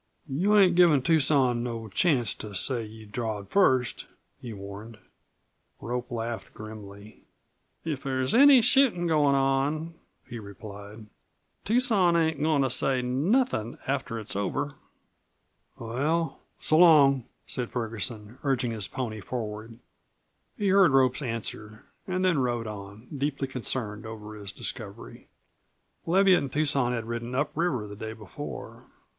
"You ain't givin' Tucson no chancst to say you drawed first?" he warned. Rope laughed grimly. "If there's any shootin' goin' on," he replied, "Tucson ain't goin' to say nothin' after it's over." "Well, so long," said Ferguson, urging his pony forward. He heard Rope's answer, and then rode on, deeply concerned over his discovery. Leviatt and Tucson had ridden up the river the day before.